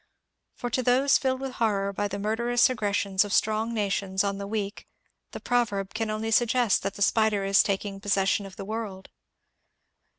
For to those filled with horror by the murderous aggressions of strong nations on the weak the proverb can only suggest that the spider is taking pos session of the world.